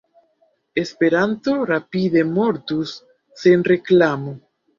Esperanto rapide mortus sen reklamo!